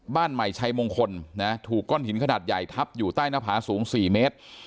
บ้านใหม่ชัยมงคลถูกก้อนหินขนาดใหญ่ทับอยู่ใต้หน้าผาสูง๔เมตร